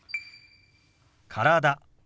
「体」。